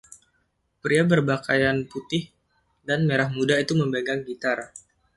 Pria berpakaian putih dan merah muda itu memegang gitar.